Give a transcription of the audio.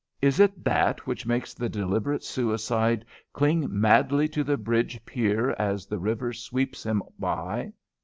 Is it that which makes the deliberate suicide cling madly to the bridge pier as the river sweeps him by?